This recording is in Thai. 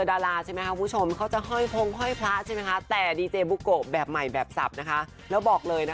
เออเสียงมันก็จะต้องกางเวลาไปไหว้นะอะไรแบบเนี้ย